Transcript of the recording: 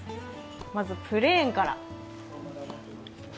まずプレーンから。